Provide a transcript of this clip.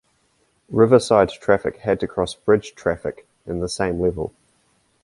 Riverside traffic had to cross bridge traffic in the same level.